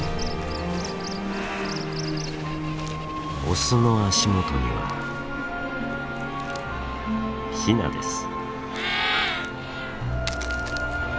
オスの足元にはヒナです。